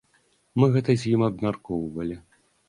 Мы гэта з ім абмяркоўвалі.